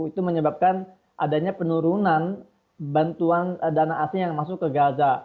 itu menyebabkan adanya penurunan bantuan dana asing yang masuk ke gaza